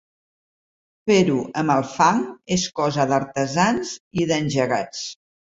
Fer-ho amb el fang és cosa d'artesans i d'engegats.